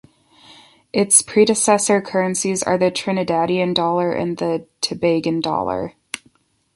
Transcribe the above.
Its predecessor currencies are the Trinidadian dollar and the Tobagan dollar.